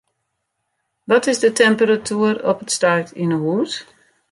Wat is de temperatuer op it stuit yn 'e hûs?